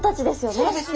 そうですよね。